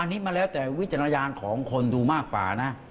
อันนี้มันแล้วแต่วิจารณญาณของคนดูมากกว่านะ